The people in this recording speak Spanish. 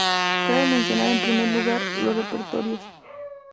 Cabe mencionar en primer lugar, los repertorios.